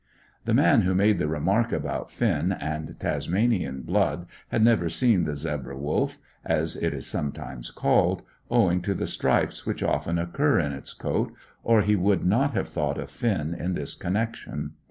The man who made the remark about Finn and Tasmanian blood had never seen the zebra wolf, as it is sometimes called, owing to the stripes which often occur in its coat, or he would not have thought of Finn in this connection.